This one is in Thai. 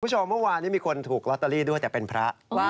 เมื่อวานนี้มีคนถูกลอตเตอรี่ด้วยแต่เป็นพระ